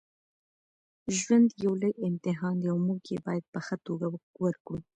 ژوند یو لوی امتحان دی او موږ یې باید په ښه توګه ورکړو.